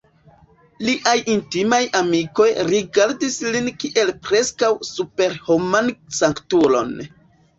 Liaj intimaj amikoj rigardis lin kiel preskaŭ superhoman sanktulon.